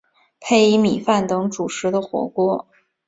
配以米饭等主食的火锅。